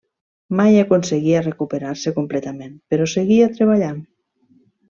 Mai aconseguia recuperar-se completament, però seguia treballant.